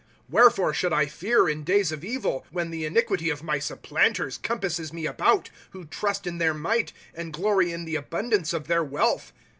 ^ Wherefore should I fear in days of evil. When the iniquity of my supplanters compasses me about ;^ "Who trust in their might, And glory in the abundance of their wealth?